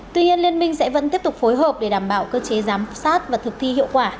tuy nhiên liên minh sẽ vẫn tiếp tục phối hợp để đảm bảo cơ chế giám sát và thực thi hiệu quả